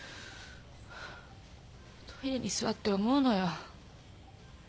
トイレに座って思うのよ。